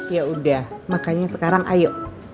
ya udah makanya sekarang ayo